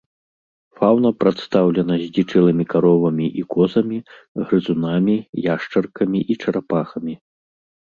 Фаўна прадстаўлена здзічэлымі каровамі і козамі, грызунамі, яшчаркамі і чарапахамі.